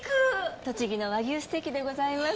栃木の和牛ステーキでございます。